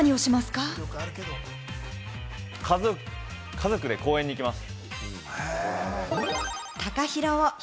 家族で公園に行きます。